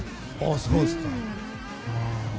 すごいですね。